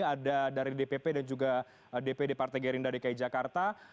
ada dari dpp dan juga dpd partai gerindra dki jakarta